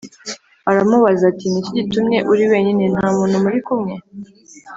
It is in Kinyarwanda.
aramubaza ati “Ni iki gitumye uri wenyine, nta muntu muri kumwe?”